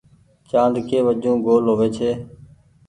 چآند ڪي وجون گول هووي ڇي۔